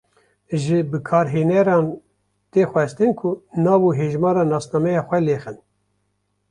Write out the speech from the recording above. Ji bikarhêneran tê xwestin ku nav û hejmara nasnameya xwe lêxin.